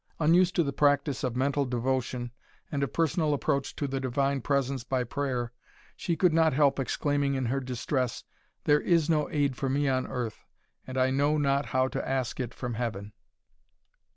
Unused to the practice of mental devotion, and of personal approach to the Divine Presence by prayer, she could not help exclaiming in her distress, "There is no aid for me on earth, and I know not how to ask it from Heaven!"